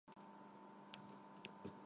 Կանգ առա և ես ու նայեցի նրան: